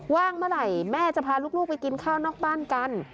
ว่างเมื่อไหร่แม่จะพาลูกไปกินข้าวนอกบ้านกัน